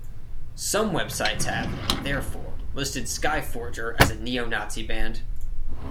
Some websites have therefore listed Skyforger as a Neo-Nazi band.